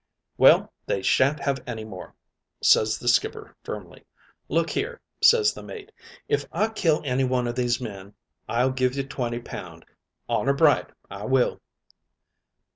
"'Well, they shan't have any more,' ses the skipper firmly. "'Look here,' ses the mate. 'If I kill any one o' these men, I'll give you twenty pound. Honor bright, I will.'